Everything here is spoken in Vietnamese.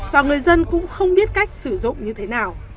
và người dân cũng không biết cách sử dụng như thế nào